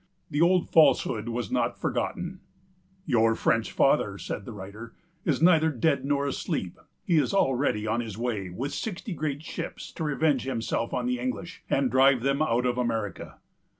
The old falsehood was not forgotten: "Your French Father," said the writer, "is neither dead nor asleep; he is already on his way, with sixty great ships, to revenge himself on the English, and drive them out of America."